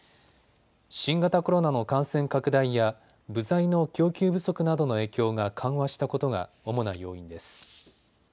新型コロナの感染拡大や部材の供給不足などの影響が緩和したことが主な要因です。